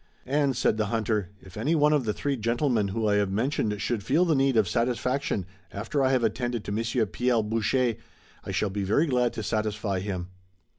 "And," said the hunter, "if any one of the three gentlemen whom I have mentioned should feel the need of satisfaction after I have attended to Monsieur Pierre Boucher, I shall be very glad to satisfy him."